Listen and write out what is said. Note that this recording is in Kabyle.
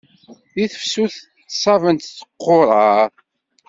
Di tefsut ttṣabent tquṛaṛ.